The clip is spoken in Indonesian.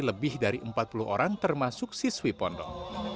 lebih dari empat puluh orang termasuk siswi pondok